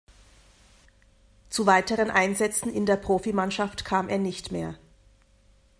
Zu weiteren Einsätzen in der Profimannschaft kam er nicht mehr.